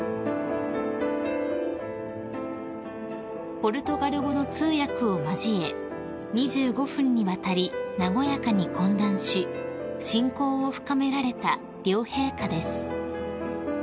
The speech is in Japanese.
［ポルトガル語の通訳を交え２５分にわたり和やかに懇談し親交を深められた両陛下です］